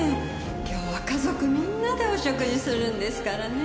今日は家族みんなでお食事するんですからね。